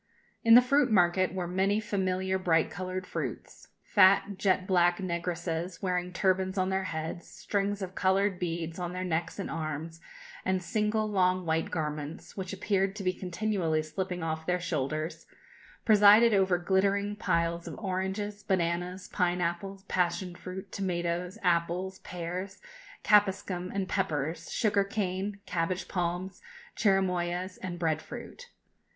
In the fruit market were many familiar bright coloured fruits. Fat, jet black negresses, wearing turbans on their heads, strings of coloured beads on their necks and arms, and single long white garments, which appeared to be continually slipping off their shoulders, presided over glittering piles of oranges, bananas, pine apples, passion fruit, tomatoes, apples, pears, capsicum and peppers, sugar canes, cabbage palms, cherimoyas, and bread fruit.